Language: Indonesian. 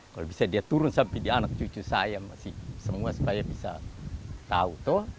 kalau bisa dia turun sampai di anak cucu saya masih semua supaya bisa tahu toh